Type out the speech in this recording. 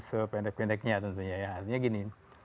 sependek pendeknya tentunya ya artinya gini